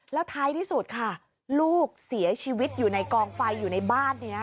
แล้วท้ายที่สุดค่ะลูกเสียชีวิตอยู่ในกองไฟอยู่ในบ้านนี้